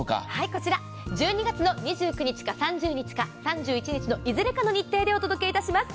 こちら、１２月の２９日か３０日か３１日のいずれかの日程でお届けいたします。